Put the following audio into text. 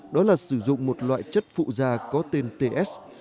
đó là sử dụng một loại chất phụ da có tên ts